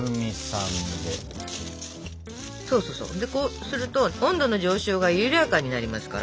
こうすると温度の上昇が緩やかになりますから。